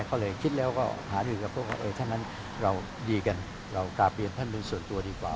ก็เลยคิดแล้วก็หารือกับพวกเขาเออถ้างั้นเราดีกันเรากลับเรียนท่านเป็นส่วนตัวดีกว่า